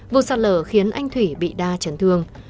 vụ sạt lở khiến anh thủy bị đa chấn thương